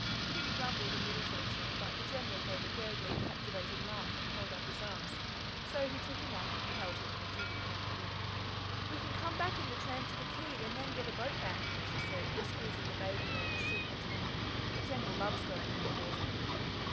Pip grumbled a minute or two, but the General gave a gurgling, captivating laugh and held up his arms, so he took him up and held him while Judy clambered in. "We can come back in the tram to the Quay, and then get a boat back," she said, squeezing the baby on the seat between them. "The General loves going on the water."